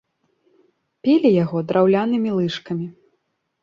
Пілі яго драўлянымі лыжкамі.